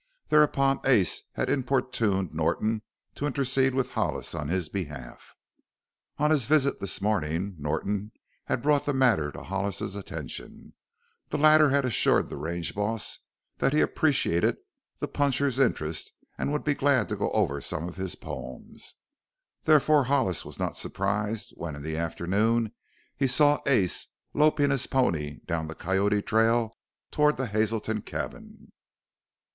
Thereupon Ace had importuned Norton to intercede with Hollis on his behalf. On his visit this morning Norton had brought the matter to Hollis's attention. The latter had assured the range boss that he appreciated the puncher's interest and would be glad to go over some of his poems. Therefore Hollis was not surprised when in the afternoon he saw Ace loping his pony down the Coyote trail toward the Hazelton cabin.